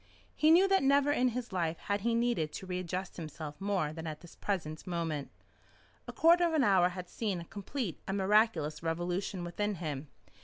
He knew that never in his life had he needed to readjust himself more than at the present moment. A quarter of an hour had seen a complete and miraculous revolution within him.